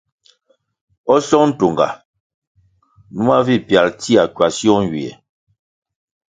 O Song Ntunga, numa vi pyalʼ tsia kwasio nywie.